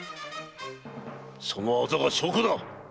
そのアザが証拠だ！